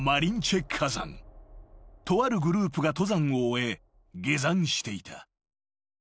［とあるグループが登山を終え下山していた］